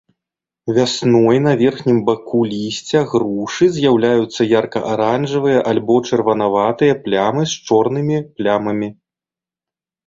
Вясной на верхнім баку лісця грушы з'яўляюцца ярка-аранжавыя альбо чырванаватыя плямы з чорнымі плямамі.